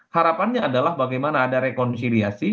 harapannya adalah bagaimana ada rekonsiliasi